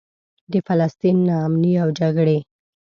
د فلسطین نا امني او جګړې.